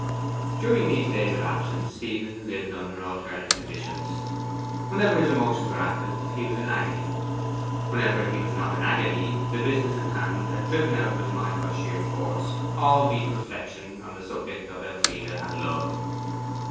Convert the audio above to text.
During these days of absence Stephen lived under alternate conditions. Whenever his emotions were active, he was in agony. Whenever he was not in agony, the business in hand had driven out of his mind by sheer force all deep reflection on the subject of Elfride and love.